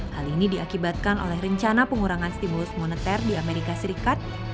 hal ini diakibatkan oleh rencana pengurangan stimulus moneter di amerika serikat